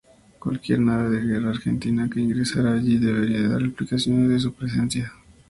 Cualquier nave de guerra argentina que ingresara allí debería dar explicaciones de su presencia.